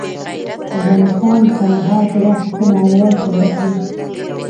افغانستان د کندهار په برخه کې نړیوال شهرت لري.